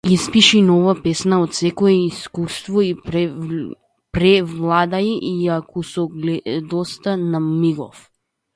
Испиши нова песна од секое искуство и превладај ја кусогледоста на мигов.